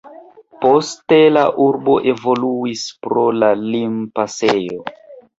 Poste la urbo evoluis pro la limpasejo.